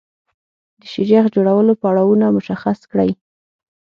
د شیریخ جوړولو پړاوونه مشخص کړئ.